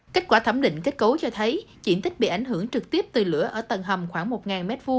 kết quả thẩm định kết cấu cho thấy diện tích bị ảnh hưởng trực tiếp từ lửa ở tầng hầm khoảng một m hai